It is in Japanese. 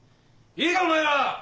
いいかお前ら！